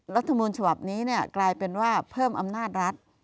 มูลฉบับนี้กลายเป็นว่าเพิ่มอำนาจรัฐ